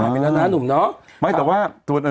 เฮ้อีกหนุ่มกูหาข้าวไม่เจอ